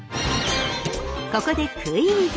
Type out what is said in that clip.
ここでクイズ！